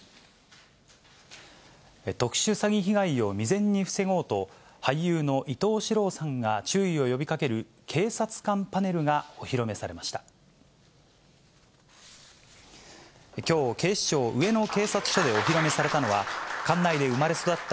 特殊詐欺被害を未然に防ごうと、俳優の伊東四朗さんが注意を呼びかける警察官パネルがお披露目されました。